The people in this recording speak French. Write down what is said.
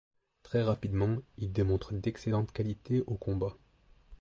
Très rapidement, il démontre d'excellentes qualités au combat.